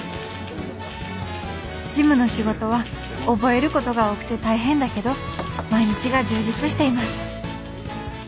事務の仕事は覚えることが多くて大変だけど毎日が充実しています。